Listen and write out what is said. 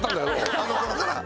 あの頃から。